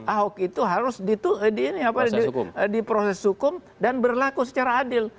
ahok itu harus diproses hukum dan berlaku secara adil